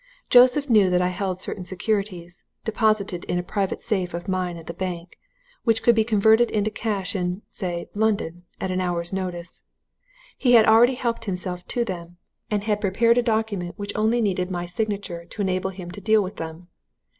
Joseph knew that I held certain securities deposited in a private safe of mine at the bank which could be converted into cash in, say, London, at an hour's notice. He had already helped himself to them, and had prepared a document which only needed my signature to enable him to deal with them.